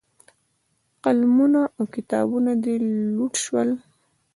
قلمونه او کتابونه دې لوټ شول.